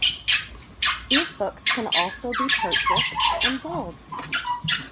These books can also be purchased in Bold.